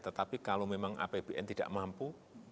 tetapi kalau memang apbn tidak mampu